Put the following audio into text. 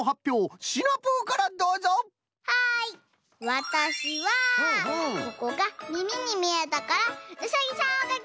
わたしはここがみみにみえたからうさぎさんをかきました。